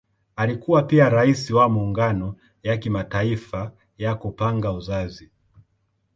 Alikuwa pia Rais wa Muungano ya Kimataifa ya Kupanga Uzazi.